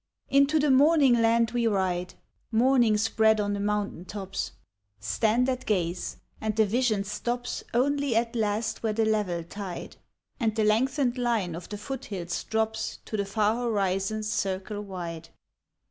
" ♦If NTO the morning land we ride, " Morning spread on the mountain tops, Stand at gaze,— and the vision stops Only at last where the level tide, And the lengthened line of the foot hills drops To the far horizon's circle wide.